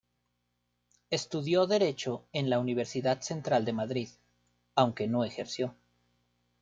Estudió Derecho en la Universidad Central de Madrid, aunque no ejerció.